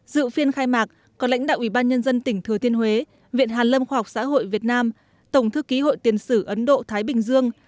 dự phiên khai mạc có lãnh đạo ủy ban nhân dân tỉnh thừa thiên huế viện hàn lâm khoa học xã hội việt nam tổng thư ký hội tiền sử ấn độ thái bình dương